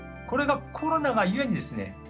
これがコロナがゆえにですね